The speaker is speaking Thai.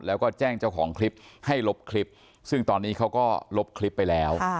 แล้วก็แจ้งเจ้าของคลิปให้ลบคลิปซึ่งตอนนี้เขาก็ลบคลิปไปแล้ว